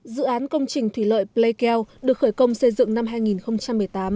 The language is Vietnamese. dự án công trình thủy lợi playkeo được khởi công xây dựng năm hai nghìn một mươi tám